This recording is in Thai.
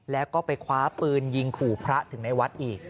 แล้วก็ไปคว้าปืนยิงขู่พระถึงในวัดอีก